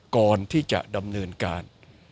ก่อนที่จะดำเนินการ